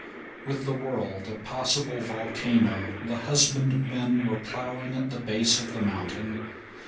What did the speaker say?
With the world a possible volcano, the husbandmen were plowing at the base of the mountain.